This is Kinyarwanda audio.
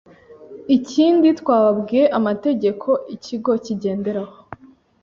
Ikindi twababwiye amategeko ikigo kigenderaho